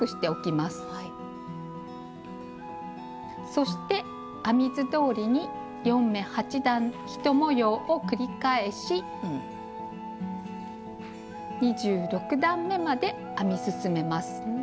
そして編み図どおりに４目８段１模様を繰り返し２６段めまで編み進めます。